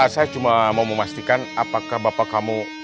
saya cuma mau memastikan apakah bapak kamu